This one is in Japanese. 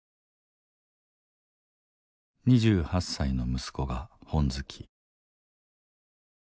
「２８才の息子が本好き」。